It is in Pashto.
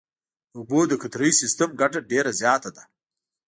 د اوبو د قطرهیي سیستم ګټه ډېره زیاته ده.